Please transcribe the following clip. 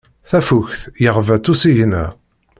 Tafukt yeɣba-tt usigna.